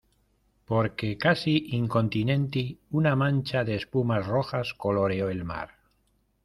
porque casi incontinenti una mancha de espumas rojas coloreó el mar